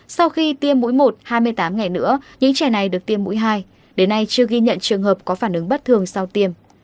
sau khi tiêm mũi một hai mươi tám ngày nữa những trẻ này được tiêm mũi hai đến nay chưa ghi nhận trường hợp có phản ứng bất thường sau tiêm